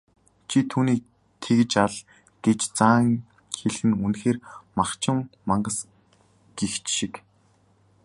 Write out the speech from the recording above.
"Чи түүнийг тэгж ал" гэж заан хэлэлцэх нь үнэхээр махчин мангас гэгч шиг.